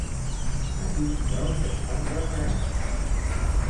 A quins llocs es fan referència?